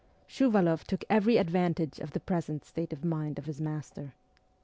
Shuvaloff took every advantage of the present state of mind of his master.